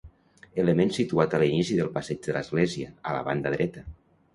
Element situat a l'inici del passeig de l'església, a la banda dreta.